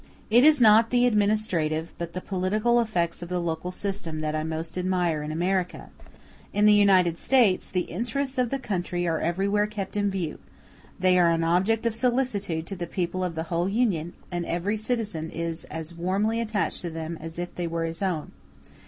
It is not the administrative but the political effects of the local system that I most admire in America. In the United States the interests of the country are everywhere kept in view; they are an object of solicitude to the people of the whole Union, and every citizen is as warmly attached to them as if they were his own.